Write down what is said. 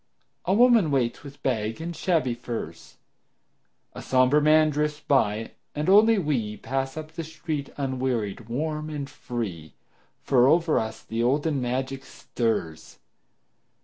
A woman waits with bag and shabby furs, A somber man drifts by, and only we Pass up the street unwearied, warm and free, For over us the olden magic stirs.